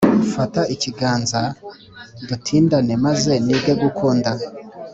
mfata ikiganza dutindane maze nige gukunda,